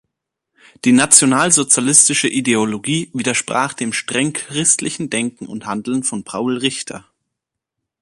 Die nationalsozialistische Ideologie widersprach dem streng christlichen Denken und Handeln von Paul Richter.